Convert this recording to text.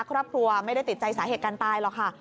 ครอบครัวไม่ได้ติดใจสาเหตุการณ์ตายหรอกค่ะ